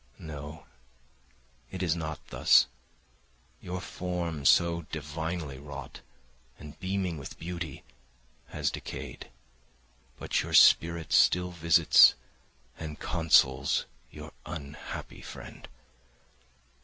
No, it is not thus; your form so divinely wrought, and beaming with beauty, has decayed, but your spirit still visits and consoles your unhappy friend.